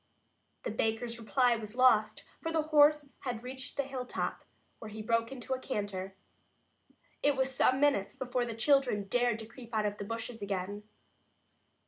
The baker's reply was lost, for the horse had reached the hilltop, where he broke into a canter. It was some minutes before the children dared to creep out of the bushes again.